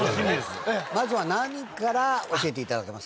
まずは何から教えていただけますか？